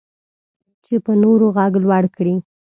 چې په نورو غږ لوړ کړي.